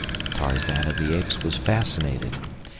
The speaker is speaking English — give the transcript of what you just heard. Tarzan of the Apes was fascinated.